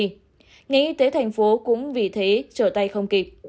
ngành y tế thành phố cũng vì thế trở tay không kịp